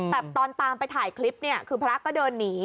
แต่ตอนตามไปถ่ายคลิปเนี่ยคือพระก็เดินหนี